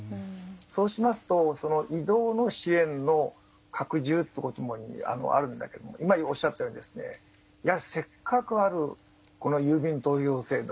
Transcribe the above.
そうしますとその移動の支援の拡充ってこともあるんだけども今おっしゃったようにですねやはりせっかくあるこの郵便投票制度